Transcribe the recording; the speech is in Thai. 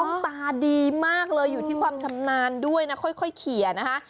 ตาดีมากเลยอยู่ที่ความชำนาญด้วยนะค่อยเขียนนะคะ